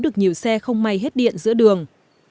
được nhiều xe không may hết điện giữa đường